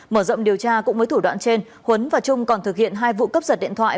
mở rộng điều tra cũng với thủ đoạn trên huấn và trung còn thực hiện hai vụ cấp giật điện thoại